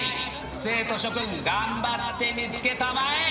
生徒諸君頑張って見つけたまえ。